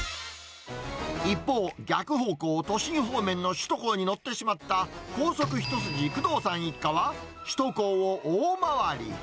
一方、逆方向、都心方面の首都高に乗ってしまった、高速一筋、工藤さん一家は、首都高を大回り。